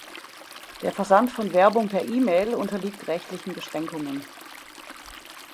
Der Versand von Werbung per E-Mail unterliegt rechtlichen Beschränkungen.